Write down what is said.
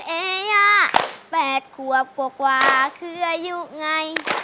เอ๋ยาแปดควบกว่ากว่าเครื่อยุ่งไง